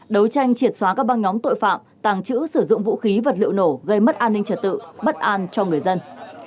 đấu tranh triệt xóa các băng nhóm tội phạm tàng trữ sử dụng vũ khí vật liệu nổ gây mất an ninh trật tự bất an cho người dân